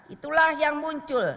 itulah yang muncul